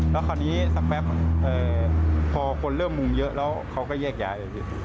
แล้วคราวนี้สักแป๊บพอคนเริ่มมุมเยอะแล้วเขาก็แยกย้ายพี่